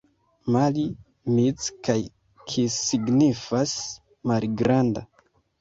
Mali, mic kaj kis signifas: malgranda.